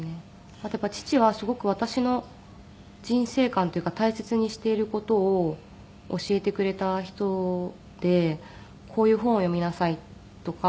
あとやっぱり父はすごく私の人生観っていうか大切にしている事を教えてくれた人でこういう本を読みなさいとか。